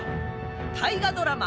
大河ドラマ